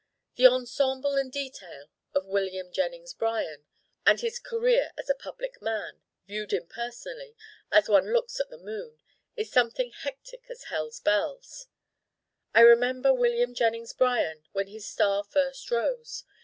The ensemble and detail of William Jennings Bryan and his career as a public man, viewed impersonally as one looks at the moon is something hectic as hell's bells. I remember William Jennings Bryan when his star first rose.